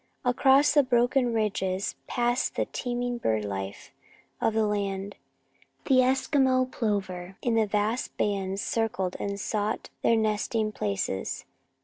Across the broken ridges passed the teeming bird life of the land. The Eskimo plover in vast bands circled and sought their nesting places.